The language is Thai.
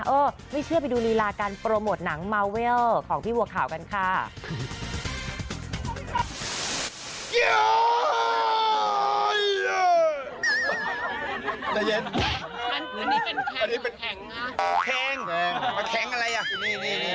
อื้อใจเย็นนี่เป็นแข็งแข็งแบบแข็งอะไร